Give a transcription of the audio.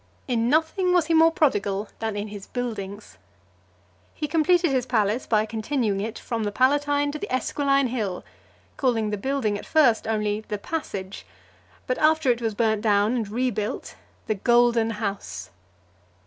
XXXI. In nothing was he more prodigal than in his buildings. He completed his palace by continuing it from the Palatine to the Esquiline hill, calling the building at first only "The Passage," but, after it was burnt down and rebuilt, "The Golden House."